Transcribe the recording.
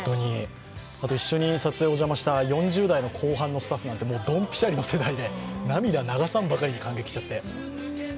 あと一緒に撮影にお邪魔した４０代の後半のスタッフなんてどんぴしゃりの世代で涙、流さんばかりに感激しちゃって。